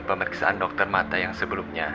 pemeriksaan dokter mata yang sebelumnya